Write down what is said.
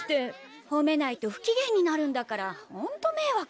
ほめないと不機嫌になるんだからホントめいわく。